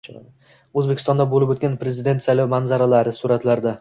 O‘zbekistonda bo‘lib o‘tgan prezident saylovi manzaralari — suratlarda